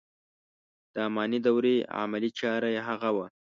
د اماني دورې عملي چاره یې هغه و.